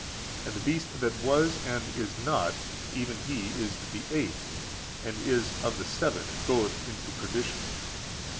And the beast that was and is not, (even he is the eighth,) and is of the seven, and goeth into perdition.